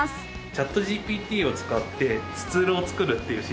ＣｈａｔＧＰＴを使ってスツールを作るっていうシステムを。